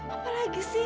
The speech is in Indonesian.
apa lagi sih